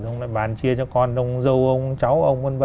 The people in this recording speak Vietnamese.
ông lại bàn chia cho con ông dâu cháu ông v v